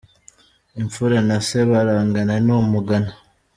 'Imfura na se barangana' ni umugani .